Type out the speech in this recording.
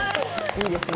いいですね